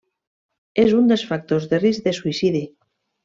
És un dels factors de risc de suïcidi.